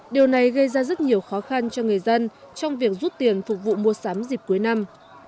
điều này gây ra rất nhiều khó khăn cho người dân trong việc rút tiền phục vụ mua sắm dịp cuối năm